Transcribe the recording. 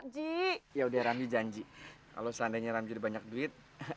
ji ya udah ramli janji kalau seandainya jadi banyak duit